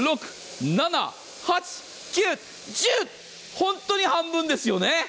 本当に半分ですよね。